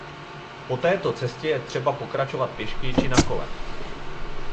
Po této cestě je třeba pokračovat pěšky či na kole.